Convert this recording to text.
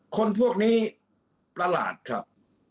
คนพวกนี้ประหลาดครับ